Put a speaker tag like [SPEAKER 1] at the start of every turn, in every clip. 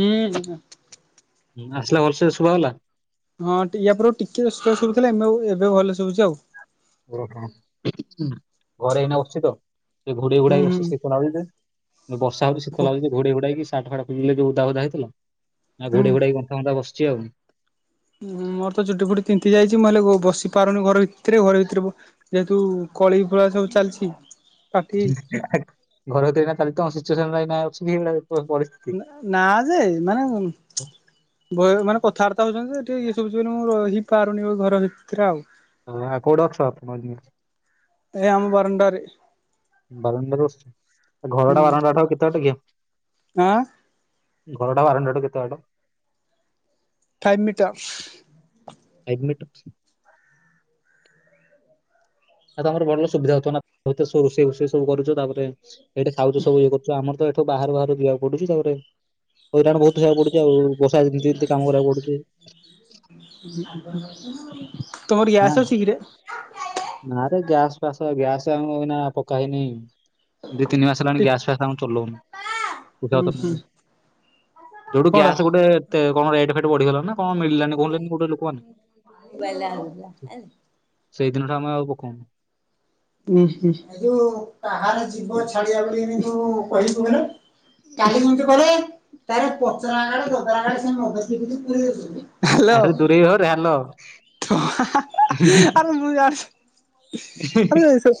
[SPEAKER 1] ହୁଁ।
[SPEAKER 2] ଆସିଲା ଭଲସେ ଶୁଭା ଗଲା?
[SPEAKER 1] ହଁ ୟାପର ଟିକେ ସ୍ଲୋ ଶୁଭୁଥିଲା ଏବେ ଆଉ ଏବେ ଭଲ ଶୁବୁଛି ଆଉ।
[SPEAKER 2] ଓହୋ ଘରେ ଏଇନା ବସିଛି ତ ସେ ଟିକେ ଘୁଡେ ଘୁଡା
[SPEAKER 1] ହୁଁ
[SPEAKER 2] ହେଇକି ବସଛି
[SPEAKER 1] ହୁଁ
[SPEAKER 2] ଶୀତ ଲାଗୁଛି। ବର୍ଷା ହଉଛି ଶୀତ
[SPEAKER 1] କୁହ
[SPEAKER 2] ଲାଗୁଚି ଘୋଡେଇ ଘୁଡ଼ା ହେଇକି ସାର୍ଟ ଫାଟ ପିନ୍ଧି ଯୋଉ ଓଦା ଉଦା ହେଇଥିଲା। ଆଉ
[SPEAKER 1] ହୁଁ।
[SPEAKER 2] ଘୋଡେଇ ଘୁଡାକି କନା ହେଇକି [unintelligible] ବସିଛି ଆଉ।
[SPEAKER 1] ହୁଁ ମୋର ତ ଚୁଟି ଫୁଟି ତିନ୍ତି ଯାଇଛି ମୁଁ ହେଲେ ବସି ପାରୁନି ଘର ଭିତରେ ଘରେ ଭିତରେ ଯେହେତୁ କଳି ଫଳା ସବୁ ଚାଲିଛି। ପାଟି
[SPEAKER 2] [unintelligible]
[SPEAKER 1] ନା ଯେ ମାନେ ବ ମାନେ କଥାବାର୍ତ୍ତା ହଉଛନ୍ତି ଯେ ଟିକେ ଇଏ ସବୁ ମୁଁ ରହି ପାରୁନି ଘର ଭିତରେ ଆଉ।
[SPEAKER 2] ହଁ ଆଉ କୋଉଠି ଅଛ?
[SPEAKER 1] ଏ ଆମ ବାରଣ୍ଡାରେ।
[SPEAKER 2] ବାରଣ୍ଡାରେ ବସିଛ ଆଉ
[SPEAKER 1] ହୁଁ
[SPEAKER 2] ଘରଟା ବାରଣ୍ଡାଠୁ କେତେ ବାଟ କି?
[SPEAKER 1] ଆଁ
[SPEAKER 2] ଘରଟା ବାରଣ୍ଡାଠୁ କେତେ ବାଟ?
[SPEAKER 1] Five metres.
[SPEAKER 2] Five metres? ନା ତମର ଭଲ ସୁବିଧା ହଉଥିବ ନା ସେଇଠି ରୋଷେଇ ଓସେଇ ସବୁ କରୁଛ ତାପରେ ସେଇଠି ଖାଉଛ ସବୁ ଇଏ କରୁଛ ଆମର ତ ବାହାରୁ ବାହାରୁ ଯିବାକୁ ପଡୁଛି ତାପରେ ହଇରାଣ ବହୁତ ହେବାକୁ ପଡୁଛି ଆଉ ବର୍ଷା ଯେମିତି କାମ କରିବାକୁ ପଡୁଛି।
[SPEAKER 1] ତୁମର
[SPEAKER 2] ନା
[SPEAKER 1] ଗ୍ୟାସ ଅଛି କିରେ?
[SPEAKER 2] ନାରେ ଗ୍ୟାସ ପାସ ଗ୍ୟାସ ଆଉ ଏଇନା ପକା ହେଇନି। ଦି ତିନି ମାସ ହେଲାଣି ଗ୍ୟାସ୍ ଫ୍ୟାସ୍ ଆଉ
[SPEAKER 1] ହୁଁ ହୁଁ
[SPEAKER 2] ଚଲଉନୁ। ଯୋଉଠୁ ଗ୍ୟାସ ଗୋଟେ କଣ ରେଟ ଫେଟ ବଢିଗଲା ନା କଣ ମିଳିଲାନି କହିଲେନି ଗୋଟେ ଲୋକମାନେ।
[SPEAKER 1] [unintelligible]
[SPEAKER 2] ସେଇଦିନଠୁ ଆମେ ଆଉ ପକଉନୁ।
[SPEAKER 1] ଏଇ ଯୋଉ କାହାର ଯିବ ଛାଡିବା ଭଳି ଏଇ ଯୋଉ କହିବୁ ହେଲେ। କାଲି କେମିତି ପରେ ତାର ପଚରା [unintelligible] ହ୍ୟାଲୋ
[SPEAKER 2] ଆରେ ଦୂରେଇ ହରେ ହ୍ୟାଲୋ
[SPEAKER 1] [unintelligible] ଆରେ ମୁଁ ଜା ଆରେ ସେ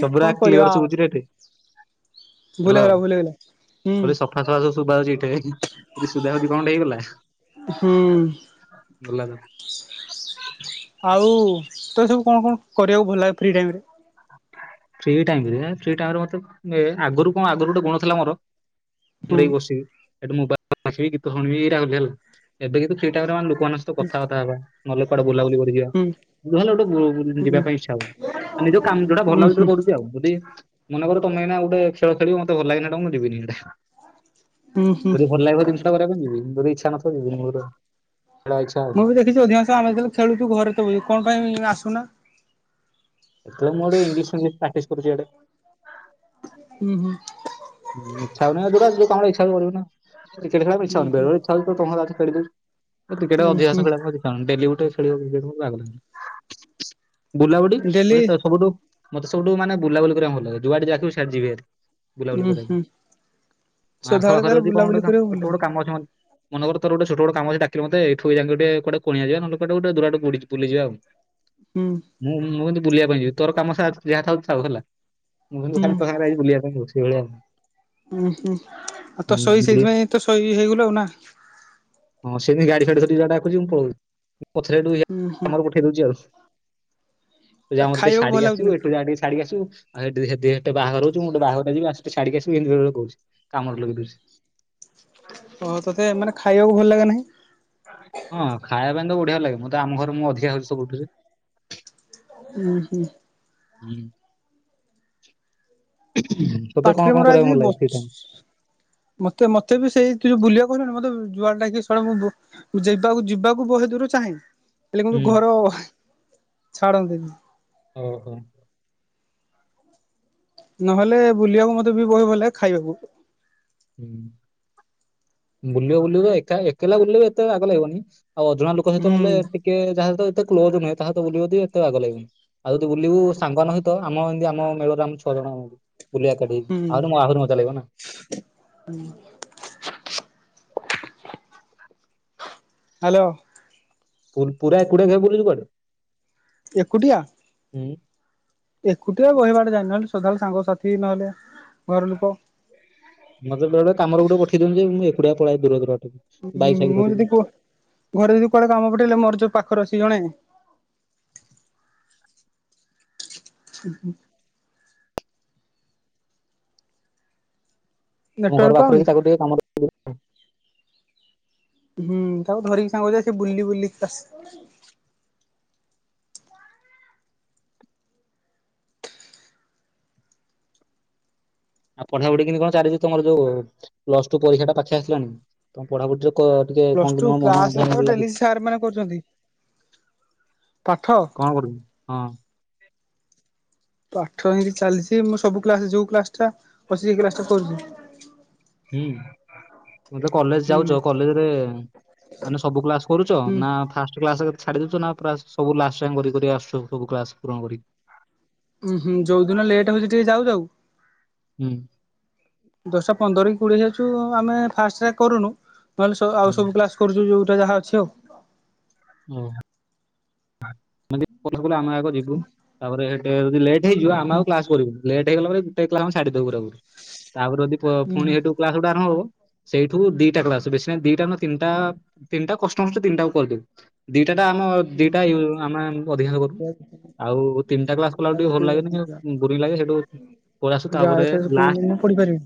[SPEAKER 2] ସବୁୁରା
[SPEAKER 1] କଣ କରିବା
[SPEAKER 2] କ୍ଲିୟର
[SPEAKER 1] ଆଉ
[SPEAKER 2] ଶୁଭୁଚି ଏଠି।
[SPEAKER 1] ଭୁଲ
[SPEAKER 2] ହାଲୋ
[SPEAKER 1] ହେଇଗଲା ଭୁଲ ହେଇଗଲା ହୁଁ
[SPEAKER 2] ପୁରା ସଫାସଫା ସବୁ ଶୁବାଉଚି ଏଠି। ଯଦି ସୋଦା ସୋଦୀ କଣଟେ ହେଇଗଲା।
[SPEAKER 1] ହୁଁ।
[SPEAKER 2] ଗଲା
[SPEAKER 1] [inaudible] ଆଉ ତତେ ସବୁ କଣ କଣ କରିବାକୁ ଭଲ ଲାଗେ ଫ୍ରି ଟାଇମ୍ ରେ?
[SPEAKER 2] ଫ୍ରି ଟାଇମ୍ ରେ ଫ୍ରି ଟାଇମ୍ ରେ ମତେ ଏ ଆଗରୁ କଣ ଆଗରୁ ଗୋଟେ ଗୁଣ ଥିଲା ମୋର
[SPEAKER 1] ହୁଁ
[SPEAKER 2] ଘରେ ବସିବି ହେଟୁ ମୋ [inaudible] ଗୀତ ଶୁଣିବି ଏଇରା କରୁଥିଲି ହେଲା ଏବେ କିନ୍ତୁ ଫ୍ରି ଟାଇମ୍ ରେ ମାନେ କୁ ସହିତ କଥାବାର୍ତ୍ତା ହେବା ନହେଲେ କୁଆଡେ ବୁଲାବୁଲି କରିିଯିବା
[SPEAKER 1] ହୁଁ
[SPEAKER 2] ଯାହା ହେଲେ ଗୋଟେ ବୁ-ବୁଲି ଜିବା ପାଇଁ ଇଚ୍ଛା ହବ।
[SPEAKER 1] ହଁ।
[SPEAKER 2] କାମ୍ ଯୋଉଟା ଭଲ ଲାଗୁଚି ସେଟା କରୁଚି ଆଉ କରୁଚି ଆଉ ଯଦି ମନେ କର ତମେ ଏଇନା ଗୋଟେ ଖେଳ ଖେଳିବ ମୋତେ ଭଲ ଲାଗିଲେ ହେଟା ମୁଁ ଯିବିନି ହେଟା।
[SPEAKER 1] ଉଁ ହୁଁ
[SPEAKER 2] ଯଦି ଭଲ ଲାଗିବ ଜିନିଷଟା କରିବାକୁ ଯିବି ଯଦି ଇଚ୍ଛା ନଥିବ ଯିବିନି ମୂଳରୁ ଆଉ। ଏଟା ଇଚ୍ଛା ଆଉ।
[SPEAKER 1] କିଛି ଅଧିକାଂଶ ଆମେ ଯେତେବେଳେ ଖେଳୁଚୁ ଘରେ ତ ବ [unintelligible] କଣ ପାଇଁ ଆସୁନା?
[SPEAKER 2] ସେତେବେଳେ ମୁଁ ଗୋଟେ ଇଂଲିଶ ଫିଂଲିଶ ପ୍ରାଟିସ୍ କରୁଚି ଇଆଡେ।
[SPEAKER 1] ହୁଁ ହୁଁ।
[SPEAKER 2] ହୁଁ ଇଚ୍ଛା ହୋଉନି ଆଉ ଯୋଉଟା ଯୋଉ କାମଟା ଇଚ୍ଛା ହୋଉଥିବ କରିବୁ ନା କ୍ରିକେଟ୍ ଖେଳିବାକୁ
[SPEAKER 1] ଉଁ
[SPEAKER 2] ଇଚ୍ଛା ହୋଉନି ବେଳେ
[SPEAKER 1] ହୁଁ
[SPEAKER 2] ବେଳେ ଇଚ୍ଛା ହୋଉଚି ମୁଁ ତମେ ସାଥେ ଖେଳି ଦୋଉଚି ମୁଁ କ୍ରିକେଟ
[SPEAKER 1] ଉଁ ହୁଁ
[SPEAKER 2] ଅଧିକାଂଶ ଖେଳଯାଉଚି। ସ ଡେଲି ଗୋଟେ ଖେଳିବାକୁ [inaudible] ବାଗ ଲାଗୁନି ବୁଲାବୁଡି ମତେ
[SPEAKER 1] ଡେଲି
[SPEAKER 2] ତ ସବୁଠୁ ମତେ ସବୁଠୁ ମାନେ ବୁଲାବୁଲି କରିବାକୁ ଭଲ ଲାଗେ ଯୁଆଡେ ଡାକିବୁ ସିଆଡେ ଯିବିହାରି ବୁଲାବୁଲି
[SPEAKER 1] ଉୁଁ
[SPEAKER 2] କରି। [inaudible] ମୋ
[SPEAKER 1] ହୁଁ ସଦାବେଳେ
[SPEAKER 2] ଆଖପାଖରେ
[SPEAKER 1] ତାହେଲେ
[SPEAKER 2] ଯଦି କଣ
[SPEAKER 1] ବୁଲାବୁଲି
[SPEAKER 2] ଗୋଟେ କାମ
[SPEAKER 1] କରିବାକୁ ଭଲ
[SPEAKER 2] ଛୋଟ ବଡ
[SPEAKER 1] ଲାଗେ।
[SPEAKER 2] କାମ ଅଛି ମ ମନେ କର ତୋର ଗୋଟେ ଛୋଟ ବଡ କାମ ଅଛି ଡାକିଲୁ ମୋତେ ଏଠୁ ଏଯାଁଗେ ଗୋଟେ କୁଣିଆ ଯିବା ନହେଲେ କୁଆଡେ ଗୋଟେ ଦୂର ବାଟ ବୁଡି ବୁଲିଯିବା ଆଉ। [inaudible]
[SPEAKER 1] ହୁଁ।
[SPEAKER 2] ମୁଁ ମୁଁ କିନ୍ତୁ ବୁଲିବା ପାଇଁ ଯିବି ତୋର କାମ ସା ଯାହା ଥାଉ ଥାଉ ହେଲା। ମୁଁ କିନ୍ତୁ
[SPEAKER 1] ହୁଁ
[SPEAKER 2] ଖାଲିରେ ତୋ ସାଙ୍ଗରେ ଯାଇକି ବୁଲିବା ପାଇଁ ଯାଉଚି। ଏଇଭଳିଆ ଆଉ।
[SPEAKER 1] ଉଁ ହୁଁ ଆ ତ ଶୋଇ
[SPEAKER 2] ହୁଁ ବୁଲିଆ
[SPEAKER 1] ସେଇଥିପାଇଁ ତୁ ଶୋଇ ହେଇ ଗଲୁ ନାଁ।
[SPEAKER 2] ହଁ ସିଏ ଗାଡି ଫାଡି ଧରିକି ଡାକୁଚି ମୁଁ ପଳୋଉଚି। [unintelligible]
[SPEAKER 1] ହୁଁ ହୁଁ
[SPEAKER 2] ଫେରୁଚି ଆଉ ତୁ ଯା ମତେ ଟିକେ
[SPEAKER 1] ଖାଇବାକୁ ଭଲ
[SPEAKER 2] ଛାଡିକି
[SPEAKER 1] ଲାଗୁଛି ନା?
[SPEAKER 2] ଆସିବୁ ଏଠୁ ଯା ଟିକେ ଛାଡିକି ଆସିବୁ। ଆଉ ହେଟି ହେଟି ହେଟି ବାହାଘର ହୋଉଚି ମୁଁ ଗୋଟେ ବାଘରିଆ ଯିବି ଆସେ ଟିକେ ଛାଡିକି ଆସିବୁ ଏମିତି ବେଳେ ବେଳେ କୋହୁଚି କାମରେ ଲଗେଇ ଦୋଉଚି।
[SPEAKER 1] ଓହୋ ତତେ ମାନେ ଖାଇବାକୁ ଭଲ ଲାଗେ ନାହିଁ?
[SPEAKER 2] ହଁ ଖାଇବା ପାଇଁ ତ ବଢିଆ ଲାଗେ। ମୁଁ ତ ଆମ ଘରେ ମୁଁ ଅଧିକା ଖାଉଚି ସବୁଠୁ ଯେ।
[SPEAKER 1] ଉଁ ହୁଁ।
[SPEAKER 2] ହୁଁ ତତେ
[SPEAKER 1] ପାଟିରେ
[SPEAKER 2] କଣ
[SPEAKER 1] ମୋର
[SPEAKER 2] କଣ
[SPEAKER 1] ଆଜି
[SPEAKER 2] କରିବା ପାଇଁ
[SPEAKER 1] ବ
[SPEAKER 2] ଲାଗେ ଫ୍ରି ଟାଇମ୍
[SPEAKER 1] ମତେ ମତେ ବି ସେଇ ତୁ ଯୋଉ ବୁଲିବାକୁ କହିଲୁନି ମତେ ଯୁଆଡେ ଡାକିବୁ ଶଳା ମୁଁ ବୁ ଯିବାକୁ ଯିବାକୁ ବହେ ଦୂର ଚାହେଁ ହେଲେ କିନ୍ତୁ
[SPEAKER 2] ହୁଁ
[SPEAKER 1] ଘର ଛାଡନ୍ତିନି।
[SPEAKER 2] ଓ ହୋ।
[SPEAKER 1] ନହେଲେ ବୁଲିବାକୁ ମତେ ବି ବହେ ଭଲଲାଗେ। ଖାଇବାକୁ
[SPEAKER 2] ହୁଁ ବୁଲିବ ବୁଲିବ ଏକା ଏକଲା ବୁଲିବ ହେତେ ବାଗ ଲାଗିବନି ଆଉ ଅଜଣା ଲୋ କ ସହିତ
[SPEAKER 1] ହୁଁ
[SPEAKER 2] ନେଲେ ଟିକେ ଯାହା ସହିତ ଏତେ କ୍ଲୋଜ ନୁହେ ତାହା ସହିତ ବୁଲିବି ଯଦି ଏତେ ବାଗ ଲାଗିବନି। ଆଉ ତୁ ବୁଲିବୁ ସାଙ୍ଗ ମାନଙ୍କ ସହିତ ଆମ ଏମିତି ଆମ ମେଳରେ ଆମ ଛଅ ଜଣଙ୍କୁ ବୁଲିବା ଏକାଠି ହେଇକି ଆହୁରୁ ମ-ମଜା ଲାଗିବ ନା।
[SPEAKER 1] ହୁଁ। ହାଲୋ।
[SPEAKER 2] ପୁ-ପୁରା ଏକୁଟିଆ କେବେ ବୁଲିଚୁ କୁଆଡେ?
[SPEAKER 1] ଏକୁଟିଆ।
[SPEAKER 2] ହୁଁ।
[SPEAKER 1] ଏକୁଟିଆ ବହିବାଡେ ଯାଇନି ନ ହେଲେ ସଦା ବେଳେ ନ ହେଲେ ସାଙ୍ଗ ସାଥି ଘର ଲୋକ।
[SPEAKER 2] ମତେ ବେଳେ ବେଳେ କାମରେ ଗୋଟେ ପଠେଇ ଦଉଚନ୍ତି ଯେ ମୁଁ ଏକୁଟିଆ ପଳାଏ ଦୂର ଦରାକୁ।
[SPEAKER 1] ଉଁ ମୁଁ ଯଦି ଗୋ ଘରେ ଯଦି କୁଆଡେ କାମ ପଠେଇଲେ ମୋର ଯୋଉ ପାଖରେ ଅଛି ଜଣେ। ହୁଁ ହୁଁ।
[SPEAKER 2] ତମ ଘର
[SPEAKER 1] ନେଟୱାର୍କ
[SPEAKER 2] ପାଖରେ
[SPEAKER 1] ପାଉନି
[SPEAKER 2] କି ତାକୁ ଟିକେ କାମ ଦ
[SPEAKER 1] ହୁଁ ତାକୁ ଧରିକି ସାଙ୍ଗରେ ଯାଏ। ସେ ବୁଲି ବୁଲିକି ଆସ
[SPEAKER 2] ଆଉ ପଢାପଢି କେନ୍ତି କଣ ଚାଲି ତୁମର ଯୋଉ ପ୍ଲସ ଟୁ ପରୀକ୍ଷା ଟା ପାଖି ଆସିଲାଣି ତମ ପଢାପଢିରେ ତ କ ଟିକେ
[SPEAKER 1] ପ୍ଲସ
[SPEAKER 2] କଣ
[SPEAKER 1] ଟୁ
[SPEAKER 2] କି ତୁମ ମନ
[SPEAKER 1] କ୍ଲାସ ତ
[SPEAKER 2] ଧ୍ୟାନ ଲାଗି
[SPEAKER 1] ଡେଲି ସାର୍ ମାନେ କରୁଛନ୍ତି। ପାଠ
[SPEAKER 2] କଣ କରିବୁ ହଁ।
[SPEAKER 1] ପାଠ ହେମତି ଚାଲିଚି। ମୁଁ ସବୁ କ୍ଲାସ ଯୋଉ କ୍ଲାସ ଟା ଅଛି ସେଇ କ୍ଲାସ ଟା କରୁଚି।
[SPEAKER 2] ହୁଁ ତମେ ଯେତେ କଲେଜ
[SPEAKER 1] ହୁଁ
[SPEAKER 2] ଯାଉଚ କଲେଜରେ ମାନେ ସବୁ କ୍ଲାସ କରୁଚ
[SPEAKER 1] ହୁଁ
[SPEAKER 2] ନା ଫାର୍ଷ୍ଟ କ୍ଲାସ୍ ଛାଡି ଦେଉଚ ନା ପୁରା ସବୁ ଲାଷ୍ଟ୍ ଯାଏଁ କରି କରି ଆସୁଚ ସବୁ କ୍ଲାସ ପୂରଣ କରି?
[SPEAKER 1] ଉଁ ହୁଁ ଯୋଉଦିନ ଲେଟ୍ ହଉଚି ଟିକେ ଯାଉ ଯାଉ
[SPEAKER 2] ହୁଁ।
[SPEAKER 1] ଦଶଟା ପନ୍ଦର କି କୋଡିଏ ଯାଉଚୁ ଆମେ ଫାଷ୍ଟରେ କରୁନୁ। ନହେଲେ ସ ଆଉ ସବୁ କ୍ଲାସ କରୁଚୁ ଯୋଉଟା ଯାହା ଅଛି ଆଉ।
[SPEAKER 2] ଓହୋ [inaudible] ଆମେ ଆଗ ଯିବୁ ତା ପରେ ସେଟା ହଉଚି ଲେଟ୍। ହେଇଯିବ ଆମେ ଆଉ କ୍ଲାସ କରିବୁନି। ଲେଟ ହେଇଗଲା ପରେ ଗୁଟେ କ୍ଲା ଆମେ ଛାଡ଼ିଦବୁ ପୁରାପୁରି। ତା ପରେ ଯଦି ଫ ଫୁଣି ହେଠୁ
[SPEAKER 1] ହୁଁ
[SPEAKER 2] କ୍ଲାସ୍ ଯୋଉଠୁ ଆରମ୍ଭ ହବ। ସେଇଠୁ ଦିଟା କ୍ଲାସ୍, ବେଶି ନାଇ ଦିଟା ନା ତିନଟା ତିିନ ଟା କଷ୍ଟମଷ୍ଟେ ତିନିଟା ମୁଁ କରିଦେବି। ଦିଟା ଟା ଆମ ଦିଟା
[SPEAKER 1] ହୁଁ
[SPEAKER 2] ୟୁ ଆମେ ଅଧିକାଂଶ କରୁ
[SPEAKER 1] ଯାହା
[SPEAKER 2] ଆଉ ତିନିଟା କ୍ଲାସ କଲା ବେଳକୁ ଟିକେ ଭଲ ଲାଗେନି କିନ୍ତୁ ବୋରିଂ ଲାଗେ ସେଠୁ
[SPEAKER 1] ଯାଏ [unintelligible] କଣ ମୁଁ ପଢିପାରିବ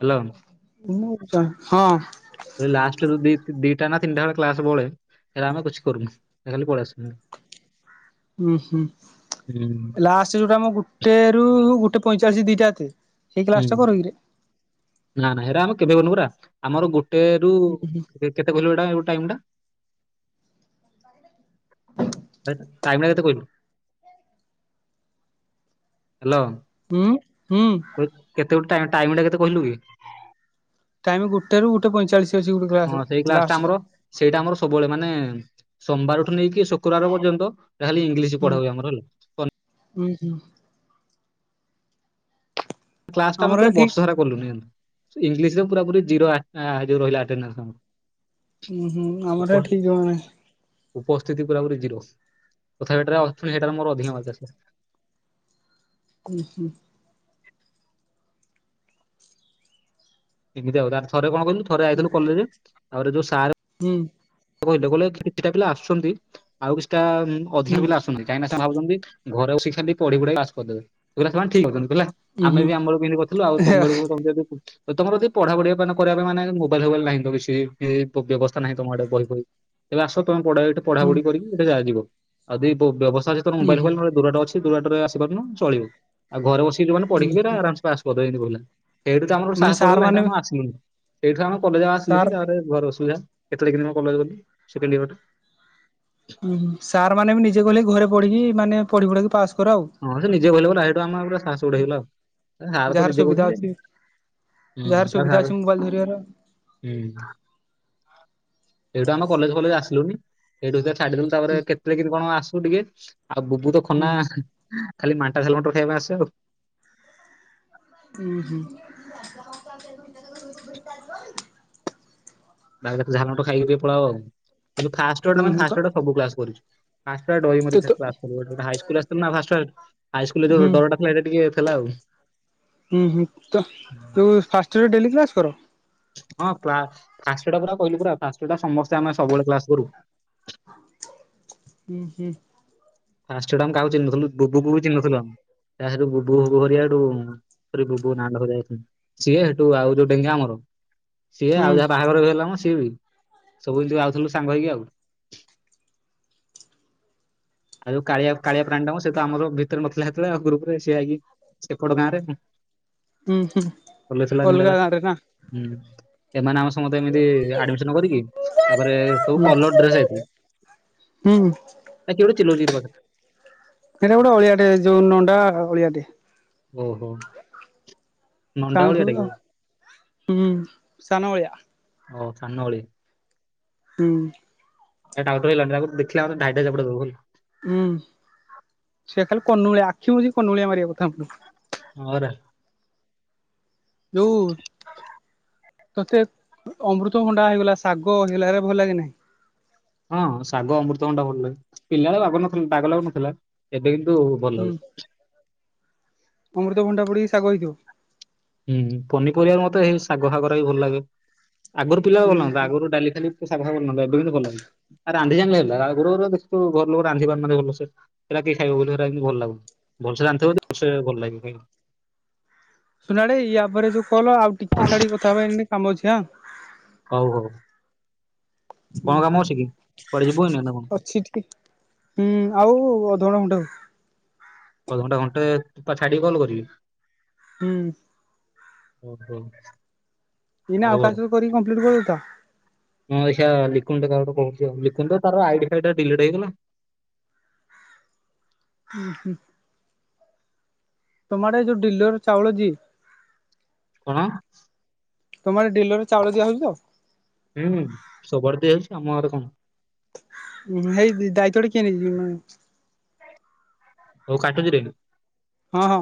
[SPEAKER 2] ହ୍ୟାଲୋ
[SPEAKER 1] ମୁଁ ତା ହଁ।
[SPEAKER 2] ଏ ଲାଷ୍ଟ ବେଳକୁ ଦି-ଦିଟା ନା ତିନିଟା ଭଳି କ୍ଲାସ ବଳେ ସେରା ଆମେ କିଛି କରୁନୁ ଖାଲି ପଳେଇ ଆସୁନି।
[SPEAKER 1] ଉଁ ହୁଁ
[SPEAKER 2] ହୁଁ
[SPEAKER 1] ଲାଷ୍ଟ ଯୋଉଟା ମୁଁ କ୍ ଗୋଟେ ରୁ ଗୋଟେ ପଇଁଚାଳିଶ ଦିଟା ଏତେ ସେଇ
[SPEAKER 2] ହୁଁ
[SPEAKER 1] କ୍ଲାସ ଟା କରିକିରେ?
[SPEAKER 2] ନା ନା ଏରା ଆମେ କେବେ କରିନୁ ପରା ଆମର ଗୋଟେ ରୁ ଏ କେତେ କହିଲୁ ହେଟା ଉ ଟାଇମ୍ ଟା? ହେ ଟାଇମ ଟା କେତେ କହିଲୁ? ହାଲୋ।
[SPEAKER 1] ଉଁ ହୁଁ।
[SPEAKER 2] ୱ କେତେ ଗୋଟେ ଟାଇଁ ଟାଇମ ଟା କେତେ କହିଲୁ କି?
[SPEAKER 1] ଟାଇମ ଗୋଟେ ରୁ ଗୋଟେ ପଇଁଚାଳିଶ ଅଛି ଗୋଟେ
[SPEAKER 2] ହଁ
[SPEAKER 1] କ୍ଲାସ
[SPEAKER 2] ସେଇ
[SPEAKER 1] ଲାଷ୍ଟ
[SPEAKER 2] ଆମର
[SPEAKER 1] ଟା।
[SPEAKER 2] ସେଇଟା ଆମର ସବୁବେଳେ ମାନେ ସୋମବାରଠୁ ନେଇକି ଶୁକ୍ରବାର ପର୍ଯ୍ୟନ୍ତ ହେଟା ଖାଲି ଇଂଲିଶ ପଢା ହୁଏ ଆମର ହେଲା।
[SPEAKER 1] ଉଁ ହୁଁ।
[SPEAKER 2] କ୍ଲାସ ଟା ଆମେ
[SPEAKER 1] ଆମର
[SPEAKER 2] ପୁରା
[SPEAKER 1] ହେ ଠିକ
[SPEAKER 2] ବର୍ଷ ସାରା କଲୁନି ଏମତି। ଇଂଲିଶରେ ପୁରାପୁରି ଜିରୋ ଆ ରହିଲା ଅଟେନାସ୍ ଆମ।
[SPEAKER 1] ଉଁ ହୁଁ ଆମର ଏଠି ଜଣେ
[SPEAKER 2] ଉପସ୍ଥିତି ପୁରାପୁରି ଜିରୋ। ତଥାପି ହେଟାରେ ହେଟା ରେ ମୋର ଅଧିକ ମାର୍କ ଆସିଲା।
[SPEAKER 1] ଉଁ ହୁଁ।
[SPEAKER 2] ଏମିତି ଆଉ। ତା ପରେ ଥରେ କଣ କହିଲୁ ଥରେ ଆଇଥିଲୁ କଲେଜ ତା ପରେ ଯୋଉ ସାରେ
[SPEAKER 1] ହୁଁ।
[SPEAKER 2] କହିଲେ କହିଲେ କିଛିଟା ପିଲା ଆସୁଛନ୍ତି। ଆଉ କିଛିଟା ଅଧିକା ପିଲା ଆସୁ ନାହାନ୍ତି। କାହିଁକିନା ସେମାନେ ଭାବୁଛନ୍ତି ଘରେ ବସିକି ଖାଲି ପଢି ପୁଢାକି ପାସ୍ କରିଦେବେ। କହିଲେ ସେମାନେ ଠିକ୍ ଭାବୁଚନ୍ତି। ହେଲା,
[SPEAKER 1] ଉଁ
[SPEAKER 2] ଆମେ
[SPEAKER 1] ହୁଁ ହୁଁ
[SPEAKER 2] ବି ଆମବେଳକୁ ଏମିତି କରିଥିଲୁ ଆଉ ତମ ବେଳକୁ ତମେ ଯଦି କି ଯଦି ତମର ଯଦି ପଢା ପଢି ପ ମାନେ କରିବା ପାଇଁ ମାନେ ମୋବାଇଲ ଫୋବାଇଲ ନାହିଁ ତ କିଛି ଏଇ ବ୍ୟବସ୍ଥା ନାହିଁ ତମ ଆଡେ ବହି ତେବେ ଆସ ତମେ ପଢ ଏଠି ପଢା ପଢି କରିକି ଏଠେ ଯହା ଯିବ। ଆ ଯଦି ବ୍ୟବସ୍ଥା
[SPEAKER 1] ଉଁ
[SPEAKER 2] ମୋବାଇଲ
[SPEAKER 1] ହୁଁ
[SPEAKER 2] ଫୋବାଇଲ୍ ପୁରା ଦୁର ବାଟ ଅଛି ଦୁର ବାଟ ରେ ଆସିପରୁନ ଚଳିବ। ଆଉ ଘରେ ବସିକି ଯୋଉମାନେ ପଢ଼ିକି
[SPEAKER 1] ଉଁ
[SPEAKER 2] ବି ଏରା
[SPEAKER 1] ହୁଁ
[SPEAKER 2] ଆରମସେ ପାସ୍ କରିଦ ଏମିତ କହିଲା। ସେଇଠୁ ତ ଆମର ଗୋଟେ
[SPEAKER 1] ମାନେ
[SPEAKER 2] ସାହାସ
[SPEAKER 1] ସାର୍
[SPEAKER 2] ବଢ଼ିଗଲା ହେଇଠୁ
[SPEAKER 1] ମାନେ
[SPEAKER 2] ଆମେ ଆଉ ଆସିଲୁନି। ହେଇଠୁ ଆମେ କଲେଜ୍ ଆଉ ଆସିଲୁନି
[SPEAKER 1] ସାର୍
[SPEAKER 2] ତାପରେ ଘର ଅସୁବିଧା। କେତେଳେ କେମିତି କଣ କଲେଜ ଗଲି ସେକେଣ୍ଡ ଇୟରଟା।
[SPEAKER 1] ଉ ହୁଁ। ସାର୍ ମାନେ ବି ନିଜେ କହିଲେ ଘରେ ପଢିକି ମାନେ ପଢି ପୁଢାକି ପାସ୍ କର ଆଉ।
[SPEAKER 2] ହଁ ସେ ନିଜେ କହିଲେ ପଣା, ହେଇଠୁ ଆମର ପୁରା ସାହାସ ବଡ଼ ହେଇଗଲା ଆଉ। ସାର ତ
[SPEAKER 1] ଯାହାର
[SPEAKER 2] ନିଜେ
[SPEAKER 1] ସୁବିଧା
[SPEAKER 2] କହୁଛନ୍ତି।
[SPEAKER 1] ଅଛି
[SPEAKER 2] ହୁଁ
[SPEAKER 1] ଯାହାର
[SPEAKER 2] ତା
[SPEAKER 1] ସୁବିଧା
[SPEAKER 2] ସାର୍
[SPEAKER 1] ଅଛି ମୋବାଇଲ ଧରିବାର
[SPEAKER 2] ହୁଁ। ହେଇଠୁ ଆମେ କଲେଜ ଫଲେଜ ଆସିଲୁନି, ହେଇଠୁ ହେଇତାଇଁ ଛାଡିଦଲୁ
[SPEAKER 1] ହୁଁ
[SPEAKER 2] ତାପରେ କେତେଳେ କେମିତି କଣ ଆସୁ ଟିକେ, ଆଉ ବୁବୁତ।
[SPEAKER 1] ହୁଁ
[SPEAKER 2] ଖନା ଖାଲି ମାଣ୍ଟା ଝାଲମଟର ଖାଇବାପାଇଁ ଆସେ ଆଉ।
[SPEAKER 1] ଉଁ ହୁଁ।
[SPEAKER 2] ବାହରେ ଏକାଥରେ ଝାଲ୍ ମଟର ଖାଇକି ଟିକେ ପଳାଅ ଆଉ। କିନ୍ତୁ ଫାଷ୍ଟ ରୁ ଏଟା
[SPEAKER 1] ହୁଁ
[SPEAKER 2] ମାନେ
[SPEAKER 1] ହୁଁ ତ
[SPEAKER 2] ଫାଷ୍ଟ ରୁ ଏଟା ସବୁ କ୍ଲାସ୍ କରିଚୁ। ଫାଷ୍ଟ
[SPEAKER 1] ତ
[SPEAKER 2] ଡରିମରିକି
[SPEAKER 1] ତ
[SPEAKER 2] ଖାଲି କ୍ଲାସ କରିବୁ। ହେତେବେଳକୁ ହାଇସ୍କୁଲ୍ ରୁ ଆସିଥିଲୁ ନ ଫାଷ୍ଟ୍ ଫାଷ୍ଟ୍। ହାଇସ୍କୁଲ୍
[SPEAKER 1] ହୁଁ
[SPEAKER 2] ଯୋଉ ଡର ଟା ଥିଲା ହେଇଟା ଟିକେ ଥିଲା ଆଉ।
[SPEAKER 1] ଉ ହୁଁ। ତ ଯୋଉଁ ଫାଷ୍ଟ ଇୟରରେ ଡେଲି କ୍ଲାସ୍ କର?
[SPEAKER 2] ହଁ କ୍ଲା ଫାଷ୍ଟ ଇଅର୍ ଟା ପରା କହିଲି ପରା ଫାଷ୍ଟ ଇଅର୍ ଟା ସମେସ୍ତେ ଆମେ ସବୁବେଳେ କ୍ଲାସ୍ କରୁ।
[SPEAKER 1] ଉ ହୁଁ।
[SPEAKER 2] ଫାଷ୍ଟ ଇଅର ଟା ଆମେ କାହାକୁ ଚିହ୍ନଥିଲୁ। ଡୁଡୁକୁ ବି ଚିହ୍ନିନଥିଲୁ ଆମେ। ତା ପରେ ସେଠୁ ଡୁଡୁ ବୁବୁ ହେରିକା ହେଠୁ [inaudible] ସିଏ ହେଠୁ ଆଉ ଯୋଉ ଡେଙ୍ଗା ଆମର। ସିଏ
[SPEAKER 1] ହୁଁ
[SPEAKER 2] ଆଉ ଯାହା ବାହାଘର ଏବେ ହେଲା ମ ସିଏ ବି, ସବୁ ଯେ ଆାଉଥିଲୁ ସାଙ୍ଗ ହେଇକି ଆଉ। ଆଉ ଜୋଉ କାଳିଆ କାଳିଆ ପ୍ରାଣୀ ଟା ମ ସେତ ଆମର ଭିତରେ ନଥିଲା ହେତେବେଳେ ଆଉ ଗ୍ରୁପରେ ସିଏ ଆଇକି ସେପଟ ଗାଁରେ କଣ
[SPEAKER 1] ହୁଁ ହୁଁ
[SPEAKER 2] [inaudible] ହୁଁ
[SPEAKER 1] ଅଲଗା ଗାଁରେ ନା?
[SPEAKER 2] ଏମାନେ ଆମ ସ୍କୁ ସମତେ ଏମତି ଆଡିମିଶନ କରିକି, ତାପରେ ସବୁ କଲର ଡ୍ରେସ ଯାଇଥିଲୁ।
[SPEAKER 1] ହୁଁ
[SPEAKER 2] ଆ କିଏ ଗୋଟେ ଚିଲୋଉଚି କିରେ ପାଖରେ?
[SPEAKER 1] ହେଟା ଗୋଟେ ଅଳିଆଟେ ଯୋଉ ନଣ୍ଡା ଅଳିଆଟେ।
[SPEAKER 2] ଓହୋ। ନଣ୍ଡା
[SPEAKER 1] [unintelligible]
[SPEAKER 2] ଓଳିଆଟା କି
[SPEAKER 1] ଦ ହୁଁ ସାନ ଅଳିଆ।
[SPEAKER 2] ଓ ସାନଉଳି।
[SPEAKER 1] ହୁଁ।
[SPEAKER 2] ଏ ଟାଉଟର ହେଇ ଗଲାଣି ତାକୁ ଦେଖିଲା ମାନେ ଢ଼ାଇ ଢ଼ାଇ ଚାପୁଡ଼ା ଦବୁ ହେଲା।
[SPEAKER 1] ହୁଁ ସେ ଖାଲି କନୁଳିଆ ଆଖି ମୁଜି କନୁଳିଆ ମାରିବା କଥା ଆଉ।
[SPEAKER 2] ହ ରେ।
[SPEAKER 1] ଯୋଉ ତତେ ଅମୃତଭଣ୍ଡା ହେଇଗଲା ଶାଗ ହେଇଗଲା ଏରା ଭଲ ଲାଗେ ନାହିଁ।
[SPEAKER 2] ହଁ ଶାଗ ଅମୃତ ଭଣ୍ଡା ଭଲ ଲାଗେ। ପିଲାବେଳେ ବାଗ ବାଗ ଲାଗୁ ନଥିଲା। ଏବେ କିନ୍ତୁ ଭଲ
[SPEAKER 1] ହୁଁ
[SPEAKER 2] ଲାଗୁଛି।
[SPEAKER 1] ଅମୃତଭଣ୍ଡା ପଡିକି ଶାଗ ହେଇଥିବ।
[SPEAKER 2] ହୁଁ ପନିପରିବା ମତେ ଏଇ ଶାଗ ଫାଗରା ବି ଭଲ ଲାଗେ ଆଗରୁ ପିଲା
[SPEAKER 1] ହୁଁ
[SPEAKER 2] ଭଲ ଲାଗୁ ନ ଥିଲା
[SPEAKER 1] ହୁଁ
[SPEAKER 2] ଆଗରୁ ଡାଲି ଖାଲି ତୁ ସାଗ [unintelligible] ଏବେ କିନ୍ତୁ ଭଲ ଲାଗୁଚି। ଆଉ ରାନ୍ଧି ଜ [unintelligible] ଘର ଲୋକ ରାନ୍ଧି ପାରୁନାନ୍ତି ଭଲ ସେ ଏରା କିଏ ଖାଇବ ବୋଲି ହେରା ଇନ୍ଦି ଭଲ ଲାଗୁନି। ଭଲ ସେ ରାନ୍ଧି ଥିବ ଯଦି ଭଲ ସେ ଭଲ ଲାଗିବ
[SPEAKER 1] ସୁନାଡେ ୟା ପରେ ଜଉ କଲ ଆଉ ଟିକେ ଛାଡିକି କଥା ହବା ଏଇନେ କାମ ଅଛି ଆଁ।
[SPEAKER 2] ହଉ ହଉ କଣ କାମ ଅଛି କି କୁଆଡେ ଯିବୁ ଏଇନା ନା କଣ?
[SPEAKER 1] ଟିକ୍ ହୁଁ ଆଉ ଅଧ ଘଣ୍ଟ ଘଣ୍ଟେ ହଉ
[SPEAKER 2] ଅଧ ଘଣ୍ଟେ ଘଣ୍ଟେ ଛାଡ଼ିକି କଲ୍ କରିବି।
[SPEAKER 1] ହୁଁ।
[SPEAKER 2] ଓ ହୋ।
[SPEAKER 1] ଏଇନା ଆଉ କାହା ସହିତ କରିକି କମ୍ପ୍ଲିଟ କରି ଦେଇଥା।
[SPEAKER 2] ହଁ ଦେଖେଇଆ ଲିକୁନ ତାକୁ କାହା କୁ ଗୋଟେ କହୁଚି ଲିକୁନ ତାର ଆଇଡି ଫାଇଡି ରା ଡିଲେଟ୍ ହେଇଗଲା।
[SPEAKER 1] ଉଁ ହୁଁ। ତୁମ ଆଡେ ଏ ଯୋଉ ଡିଲର ଚାଉଳ ଦିଏ।
[SPEAKER 2] କଣ?
[SPEAKER 1] ତମ ଆଡେ ଡିଲର ଚାଉଳ ଦିଆ ହୋଉଚି ତ?
[SPEAKER 2] ହୁଁ ସବୁଆଡେ ଦିଆଯାଉଚି ଆମ ଆଡେ କଣ।
[SPEAKER 1] ଉଁହୁ ଏଇ ଦାୟିତ୍ୱ ଟି କିଏ ନେଇଚି ଉଁ
[SPEAKER 2] ହୋଉ କାଟୁଚି ରହିଲୁ
[SPEAKER 1] ହଁ ହଁ।